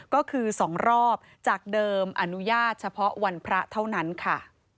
ก็คือ๒รอบจากเดิมอนุญาตเฉพาะวันพระเท่านั้นค่ะ